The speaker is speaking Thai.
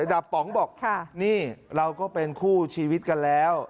ดาบป๋องบอกนี่เราก็เป็นคู่ชีวิตกันแล้ว